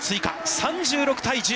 ３６対１０。